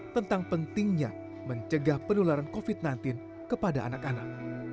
tentang pentingnya mencegah penularan covid sembilan belas kepada anak anak